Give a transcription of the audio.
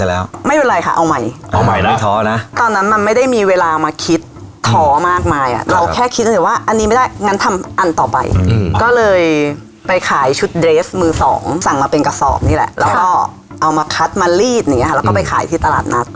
แล้วก็เอาคัดมารีดนี้ก็ก็ไปขายที่ตลาดนัด